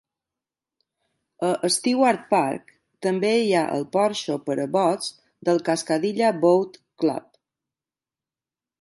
A Stewart Park també hi ha el porxo per a bots del Cascadilla Boat Club.